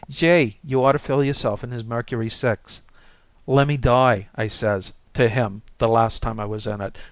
"Gee! you ought to feel yourself in his Mercury Six. 'Lemme die,' I says to him the last time I was in it.